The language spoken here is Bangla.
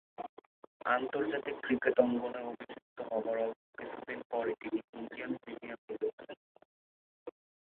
আন্তর্জাতিক ক্রিকেট অঙ্গনে অভিষিক্ত হবার অল্প কিছুদিন পরই তিনি ইন্ডিয়ান প্রিমিয়ার লীগে খেলেন।